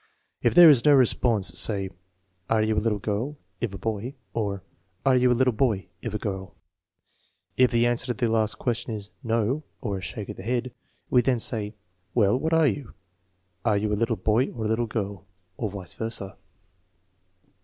If there is no response, say: "Are you a little girl? " (if a boy); or, "Are you a little boy ?" (if a girl). If the answer to the last question is " no " (or a shake of the head), we then say: " Well, what are you ? Are you a little boy or a little girl ?" (or vice versa).